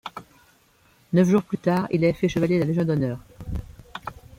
Neuf jours plus tard, il est fait chevalier de la Légion d'honneur.